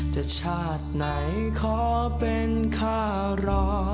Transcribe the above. แต่ชาติไหนขอเป็นข้ารอ